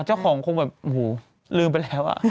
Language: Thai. แต่เจ้าของคงแบบลืมไปแล้วอะ